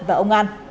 và ông an